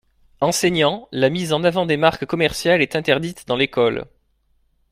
Enseignants, la mise en avant des marques commerciales est interdite dans l'école.